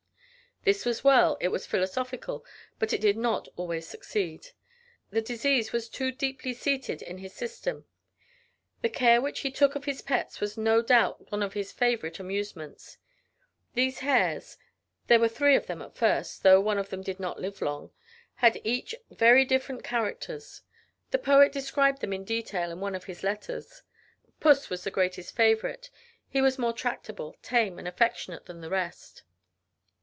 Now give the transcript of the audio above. This was well it was philosophical but it did not always succeed. The disease was too deeply seated in his system. The care which he took of his pets was no doubt one of his favorite amusements. These hares there were three of them at first, though one of them did not live long had each very different characters. The poet described them in detail in one of his letters. Puss was the greatest favorite. He was more tractable, tame and affectionate than the rest.